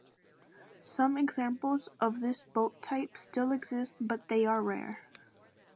Some examples of this boat type still exist but they are rare.